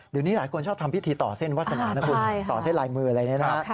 เดี๋ยวนี้หลายคนชอบทำพิธีต่อเส้นวาสนานะคุณต่อเส้นลายมืออะไรเนี่ยนะฮะ